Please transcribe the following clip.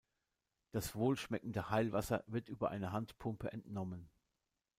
Das wohlschmeckende "Heilwasser" wird über eine Handpumpe entnommen.